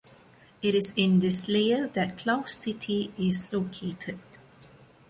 It is in this layer that Cloud City is located.